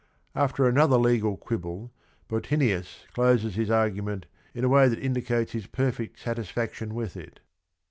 After another legal quibble, Bottinius closes his argument in a way that indicates his perfect satisfaction with it.